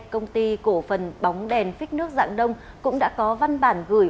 công ty cổ phần bóng đèn phích nước dạng đông cũng đã có văn bản gửi